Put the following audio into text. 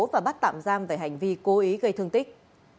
và bắt tạm giam về hành vi cố ý gây thương tích